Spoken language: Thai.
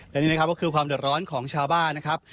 และนี่นะครับก็คือความเดือดร้อนของชาวบ้านนะครับ